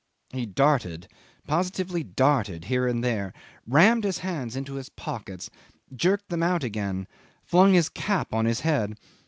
.." He darted positively darted here and there, rammed his hands into his pockets, jerked them out again, flung his cap on his head.